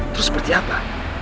terus seperti apa